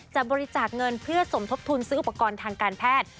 บริจาคเงินเพื่อสมทบทุนซื้ออุปกรณ์ทางการแพทย์